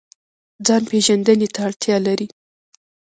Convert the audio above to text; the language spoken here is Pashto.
ځان پیژندنې ته اړتیا لري